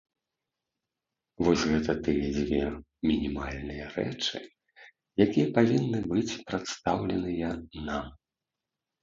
Вось гэта тыя дзве мінімальныя рэчы, якія павінны быць прадстаўленыя нам.